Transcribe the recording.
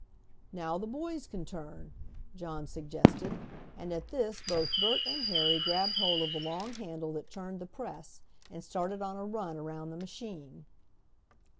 "Now the boys can turn," John suggested, and at this both Bert and Harry grabbed hold of the long handle that turned the press and started on a run around the machine.